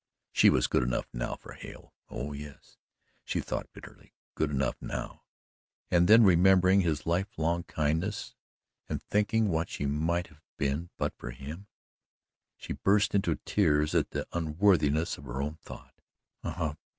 She was good enough now for Hale, oh, yes, she thought bitterly, good enough NOW; and then, remembering his life long kindness and thinking what she might have been but for him, she burst into tears at the unworthiness of her own thought.